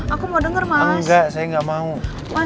aku masih harus sembunyikan masalah lo andin dari mama